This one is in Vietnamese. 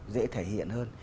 dễ thể hiện hơn